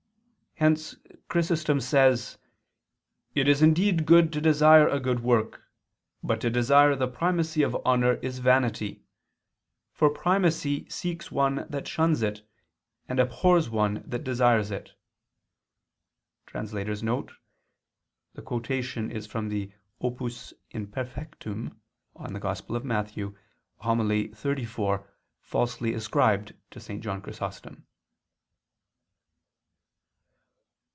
Hence Chrysostom* says: "It is indeed good to desire a good work, but to desire the primacy of honor is vanity. For primacy seeks one that shuns it, and abhors one that desires it." [*The quotation is from the Opus Imperfectum in Matth. (Hom. xxxv), falsely ascribed to St. John Chrysostom.